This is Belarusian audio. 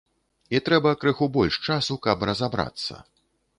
І трэба крыху больш часу, каб разабрацца.